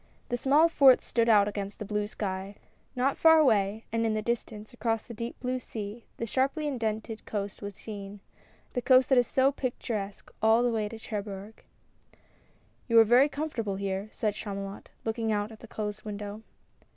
The small fort stood out against the blue sky, not far away, and in the distance, across the deep blue sea the sharply indented coast was seen — the coast that is so picturesque all the way to Cherbourg. A FISH SUPPER. 29 "You are very comfortable here," said Chamulot, looking out of the closed window.